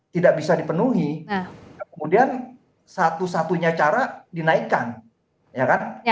tidak bisa dipenuhi kemudian satu satunya cara dinaikkan ya kan